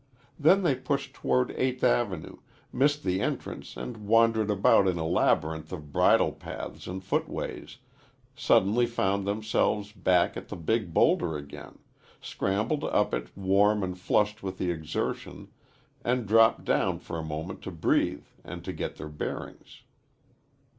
Then they pushed toward Eighth Avenue, missed the entrance and wandered about in a labyrinth of bridle paths and footways, suddenly found themselves back at the big bowlder again, scrambled up it warm and flushed with the exertion, and dropped down for a moment to breathe and to get their bearings.